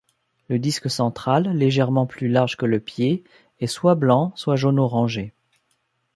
Le disque central, légèrement plus large que le pied, est soit blanc soit jaune-orangé.